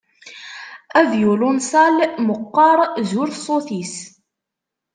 Avyulunsal meqqer, zur ṣṣut-is.